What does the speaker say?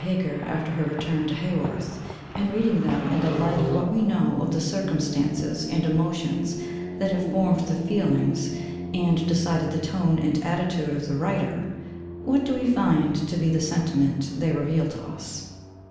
Heger after her return to Haworth, and reading them in the light of what we know of the circumstances and emotions that have formed the feelings, and decided the tone and attitude of the writer, what do we find to be the sentiment they reveal to us?